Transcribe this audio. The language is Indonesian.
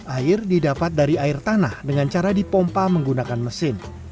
air didapat dari air tanah dengan cara dipompa menggunakan mesin